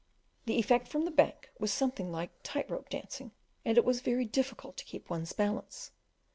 The effect from the bank was something like tight rope dancing, and it was very difficult to keep one's balance.